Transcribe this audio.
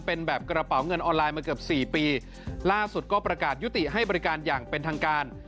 เป็นแบบกระเป๋าเงินออนไลน์มาเกือบสี่ปีล่าสุดก็ประกาศยุติให้บริการอย่างเป็นทางการ